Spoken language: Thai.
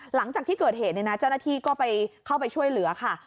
หลังจากที่เกิดเหตุในนาจารย์ที่ก็ไปเข้าไปช่วยเหลือค่ะ